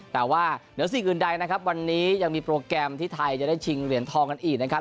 แต่ว่าเหนือสิ่งอื่นใดนะครับวันนี้ยังมีโปรแกรมที่ไทยจะได้ชิงเหรียญทองกันอีกนะครับ